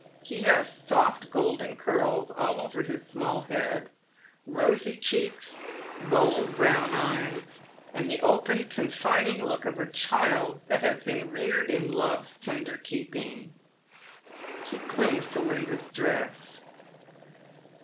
He hus solt golden curls all over his small head, rosy cheeks, bold brown eyes, and the open confiding look of a child that hs» Good Samaritant, 237 been reared in lore's tender keeping. He clingg to Linda's dress.